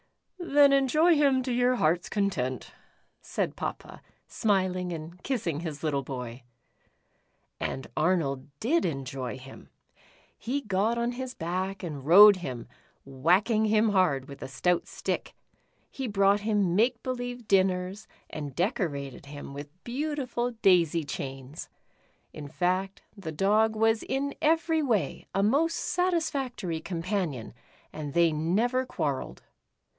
"Then enjoy him to your heart's content," said Papa, smiling and kissing his little boy. And Arnold did enjoy him. He got on his back and rode him, whacking him hard with a stout stick. He brouo^ht him make believe dinners, and decorated him with beautiful daisy chains. In fact, the Dog was in every way a most satisfactory companion, and they never quarrelled.